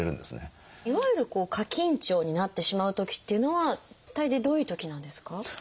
いわゆる過緊張になってしまうときっていうのは大抵どういうときなんですか？